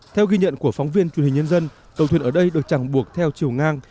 theo ghi nhận của phóng viên truyền hình nhân dân tàu thuyền ở đây được chẳng buộc theo chiều ngang